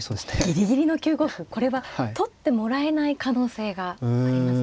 ギリギリの９五歩これは取ってもらえない可能性がありますね。